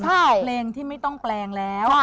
เพลงที่ไม่ต้องแปลงแล้ว